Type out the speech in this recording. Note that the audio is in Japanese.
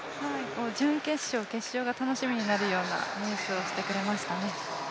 準決勝、決勝が楽しみになるようなレースをしてくれましたね。